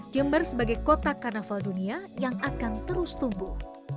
jember sebagai kota karnaval dunia yang akan terus tumbuh